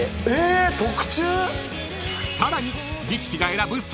［さらに］